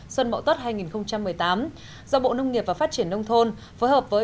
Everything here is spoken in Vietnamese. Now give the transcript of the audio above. xuân mộ tốt hai nghìn một mươi tám do bộ nông nghiệp và phát triển nông thôn phối hợp với